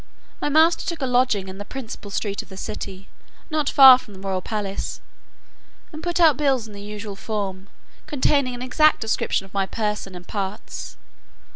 My master took a lodging in the principal street of the city, not far from the royal palace, and put out bills in the usual form, containing an exact description of my person and parts.